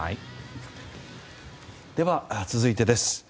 では、続いてです。